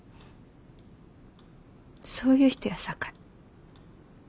そういう人やさかい。